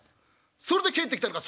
それで帰ってきたのか」。